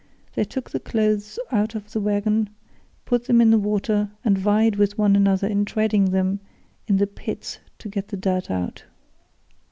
They took the clothes out of the waggon, put them in the water, and vied with one another in treading them in the pits to get the dirt out.